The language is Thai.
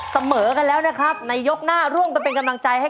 เสื้อคนละท่ำเป็นฝ่ายชนะ